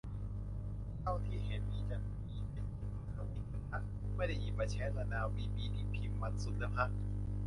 เท่าที่เห็นนี่จะมีแต่หยิบมาทวีตกันฮะ ไม่ได้หยิบมาแชตระนาว บีบีนี่พิมพ์มันส์สุดแล้วฮะ